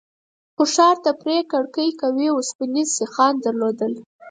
خو ښار ته پرې کړکۍ قوي اوسپنيز سيخان درلودل.